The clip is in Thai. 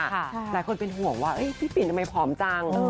หลายคนเป็นห่วงว่าพี่ปิ่นทำไมผอมจัง